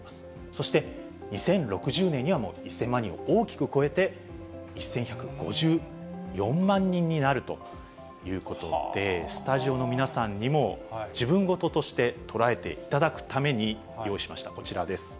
そして２０６０年にはもう１０００万人を大きく超えて、１１５４万人になるということで、スタジオの皆さんにも、自分事として捉えていただくために、用意しました。